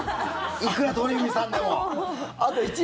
いくら鳥海さんでも。